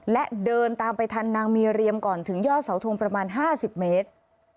และเดินตามไปทันนางมีเรียมก่อนถึงยอดเสาทงประมาณ๕๐เมตร